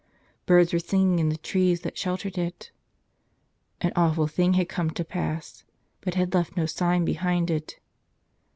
Birds were singing in the trees that sheltered it. An awful thing had come to pass, but had left no sign behind it.